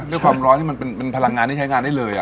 ด้วยความร้อนที่มันเป็นพลังงานที่ใช้งานได้เลย